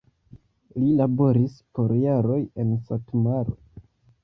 Li laboris por jaroj en Satmaro.